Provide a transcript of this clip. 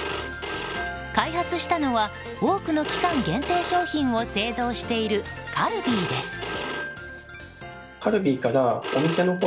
開発したのは多くの期間限定商品を製造しているカルビーです。